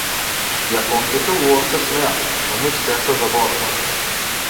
Јапонките убаво се смеат, со нив сѐ се заборава.